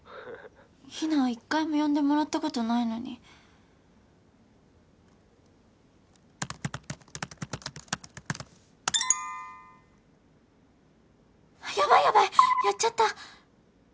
ヒナは１回も呼んでもらったことないのにやばいやばいやっちゃった！